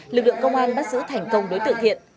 lực lượng công an bắt giữ thành công đối tượng thiện